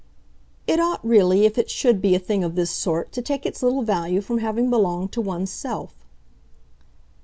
"It ought, really, if it should be a thing of this sort, to take its little value from having belonged to one's self."